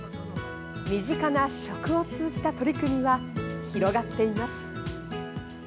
身近な食を通じた取り組みは広がっています。